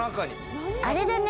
あれだね。